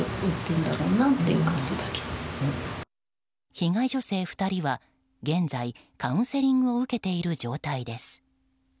被害女性２人は現在カウンセリングを受けている状態です。